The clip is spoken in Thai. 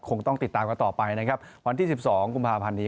คงต้องติดตามกันต่อไปนะครับวันที่๑๒กุมภาพันธ์นี้